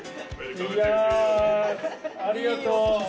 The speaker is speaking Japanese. いやあありがとう。